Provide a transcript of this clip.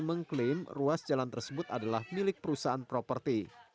mengklaim ruas jalan tersebut adalah milik perusahaan properti